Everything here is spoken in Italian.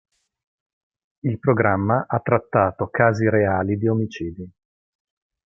Il programma ha trattato casi reali di omicidi.